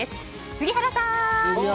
杉原さん！